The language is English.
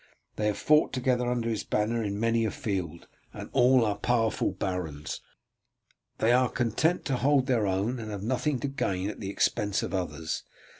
They have fought together under his banner in many a field, and are all powerful barons. They are content to hold their own, and have nothing to gain at the expense of others.